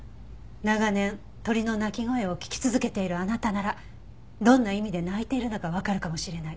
長年鳥の鳴き声を聞き続けているあなたならどんな意味で鳴いているのかわかるかもしれない。